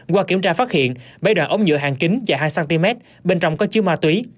qua kiểm tra phát hiện bấy đoạn ống nhựa hàng kính và hai cm bên trong có chiếc ma túy